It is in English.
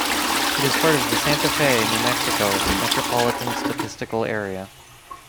It is part of the Santa Fe, New Mexico Metropolitan Statistical Area.